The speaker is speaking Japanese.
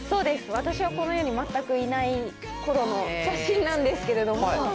私はこの世に全くいないころの写真なんですけれども。